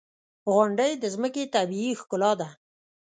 • غونډۍ د ځمکې طبیعي ښکلا ده.